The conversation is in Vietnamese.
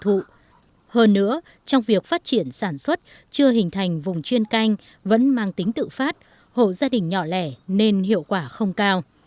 hơn nữa trong việc phát triển sản xuất chưa hình thành vùng chuyên canh vẫn mang tính tự phát hộ gia đình nhỏ lẻ nên hiệu quả không cao